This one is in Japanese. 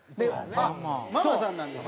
あっママさんなんですか？